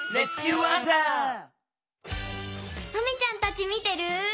マミちゃんたちみてる？